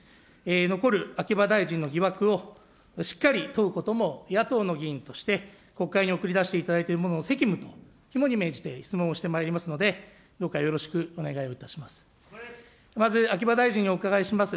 残る秋葉大臣の疑惑をしっかり問うことも野党の議員として国会に送り出していただいている者の責務と肝に銘じて質問をしてまいりますので、どうかよろしくお願いいたします。